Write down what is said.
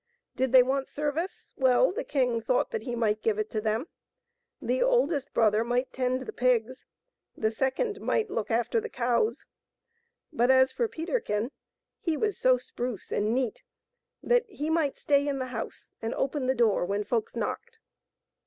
Did they want service? Well, the king thought that he might give it to them. The oldest brother might tend the pigfs, the second might look after the cows. But as for Peterkin, he was so spruce and neat that he might stay in the house and open the door when folks knocked.